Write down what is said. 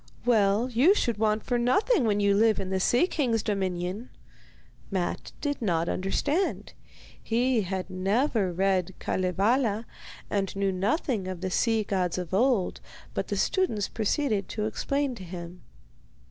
'Well, you should want for nothing when you live in the Sea King's dominion.' Matte did not understand. He had never read Kalevala and knew nothing of the sea gods of old, but the students proceeded to explain to him.